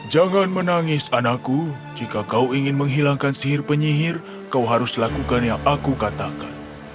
jangan menangis anakku jika kau ingin menghilangkan sihir penyihir kau harus lakukan yang aku katakan